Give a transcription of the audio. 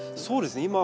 そうですね。